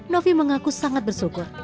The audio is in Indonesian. novi mengaku sangat bersyukur